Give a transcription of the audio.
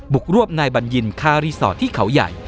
กรวบนายบัญญินคารีสอร์ทที่เขาใหญ่